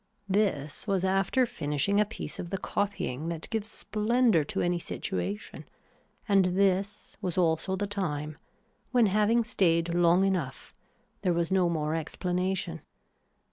This was after finishing a piece of the copying that gives splendor to any situation and this was also the time when having stayed long enough there was no more explanation.